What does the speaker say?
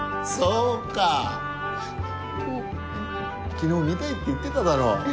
昨日「見たい」って言ってただろ？